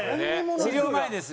治療前です。